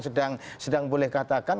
sedang boleh katakan